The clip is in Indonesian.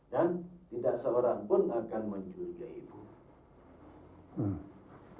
dan tidak seorang pun akan mencurigai ibu